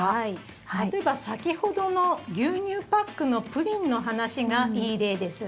例えば、先ほどの牛乳パックのプリンの話がいい例です。